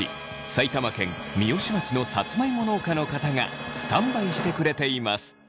埼玉県三芳町のさつまいも農家の方がスタンバイしてくれています。